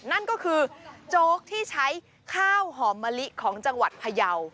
นั่นก็คือโจ๊กที่ใช้ข้าวหอมมะลิของจังหวัดพยาว